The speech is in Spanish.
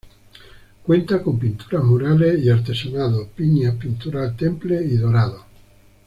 Cuenta con pinturas murales y artesonado: piñas, pinturas al temple y dorados.